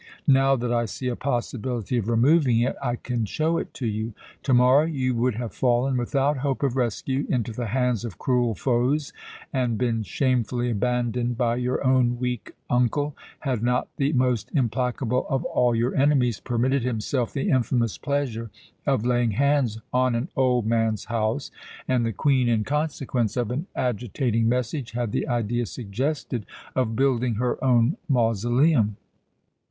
Now that I see a possibility of removing it, I can show it to you. Tomorrow you would have fallen, without hope of rescue, into the hands of cruel foes and been shamefully abandoned by your own weak uncle, had not the most implacable of all your enemies permitted himself the infamous pleasure of laying hands on an old man's house, and the Queen, in consequence of an agitating message, had the idea suggested of building her own mausoleum.